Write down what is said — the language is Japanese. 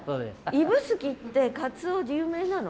指宿ってかつおで有名なの？